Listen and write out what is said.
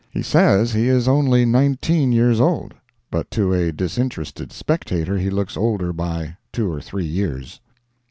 He says he is only nineteen years old; but to a disinterested spectator he looks older by two or three years.